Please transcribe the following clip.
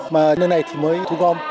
mà nơi này thì mới thu gom